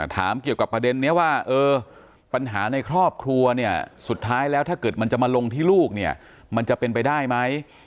ถามเกี่ยวกับประเด็นนี้ว่าเออปัญหาในครอบครัวเนี่ยสุดท้ายแล้วถ้าเกิดมันจะมาลงที่ลูกเนี่ยมันจะเป็นไปได้ไหม